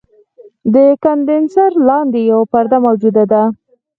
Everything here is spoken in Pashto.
د کاندنسر لاندې یوه پرده موجوده ده.